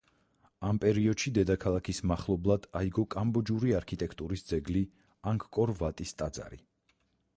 ამ პერიოდში, დედაქალაქის მახლობლად აიგო კამბოჯური არქიტექტურის ძეგლი ანგკორ-ვატის ტაძარი.